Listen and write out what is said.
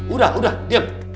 udah udah diam